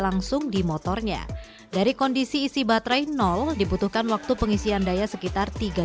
langsung di motornya dari kondisi isi baterai dibutuhkan waktu pengisian daya sekitar